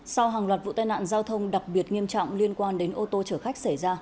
sau hàng loạt vụ tai nạn giao thông đặc biệt nghiêm trọng liên quan đến ô tô chở khách xảy ra